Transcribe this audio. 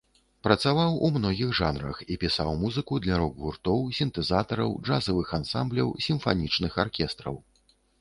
Працаваў у многіх жанрах і пісаў музыку для рок-гуртоў, сінтэзатараў, джазавых ансамбляў, сімфанічных аркестраў.